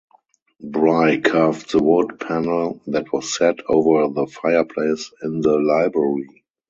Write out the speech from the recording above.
Bry carved the wood panel that was set over the fireplace in the library.